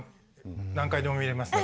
何回でも見れますね